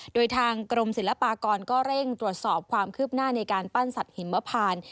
โดยทางกรมศิลปากรก็เร่งตรวจสอบความคืบหน้าในการปั้นสัตว์หิมพาน